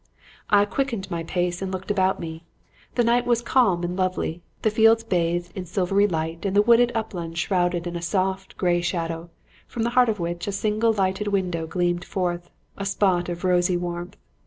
"I quickened my pace and looked about me. The night was calm and lovely, the fields bathed in silvery light and the wooded uplands shrouded in a soft, gray shadow, from the heart of which a single lighted window gleamed forth, a spot of rosy warmth.